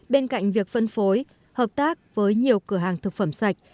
bên cạnh việc phân phối hợp hợp tác với nhiều cửa hàng thực phẩm sạch